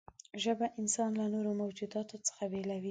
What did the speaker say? ژبه انسان له نورو موجوداتو څخه بېلوي.